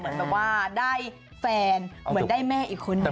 เหมือนแบบว่าได้แฟนเหมือนได้แม่อีกคนนึง